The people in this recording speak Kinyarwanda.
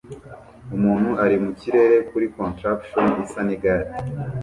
Umuntu ari mu kirere kuri contraption isa nigare